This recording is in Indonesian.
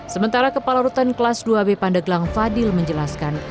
sementara kepala rutan kelas dua b pandeglang fadil menjelaskan